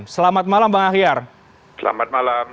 selamat malam bang ahyar selamat malam